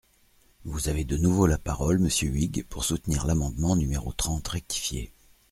Vous avez de nouveau la parole, monsieur Huyghe, pour soutenir l’amendement numéro trente rectifié.